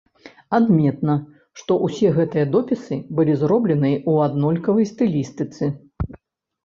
Адметна, што ўсе гэтыя допісы былі зробленыя ў аднолькавай стылістыцы.